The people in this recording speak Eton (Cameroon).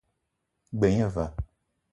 G-beu gne va.